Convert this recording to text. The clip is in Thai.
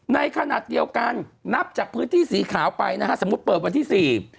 ในขณะเดียวกันนับจากพื้นที่สีขาวไปนะฮะสมมุติเปิดวันที่สี่